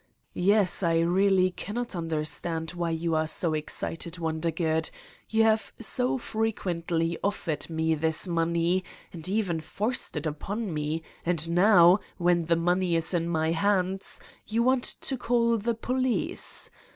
"Yes, I really cannot understand why you are so excited, Wondergood. You have so fre quently offered me this money and even forced it upon me and now, when the money is in my hands, you want to call the police